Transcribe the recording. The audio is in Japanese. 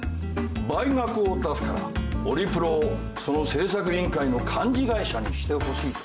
倍額を出すからオリプロをその製作委員会の幹事会社にしてほしいと。